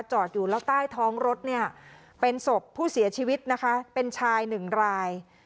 จอดอยู่แล้วใต้ท้องรถเนี่ยเป็นศพผู้เสียชีวิตนะคะเป็นชายหนึ่งราย